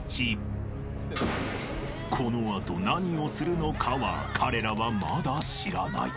［この後何をするのかは彼らはまだ知らない］